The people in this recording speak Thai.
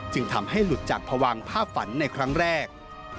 ทำให้หลุดจากพวังภาพฝันในครั้งแรก